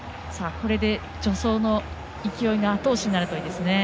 これで助走の勢いのあと押しになるといいですね。